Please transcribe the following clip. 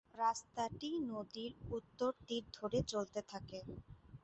রাস্তাটি নদীর উত্তর তীর ধরে চলতে থাকে।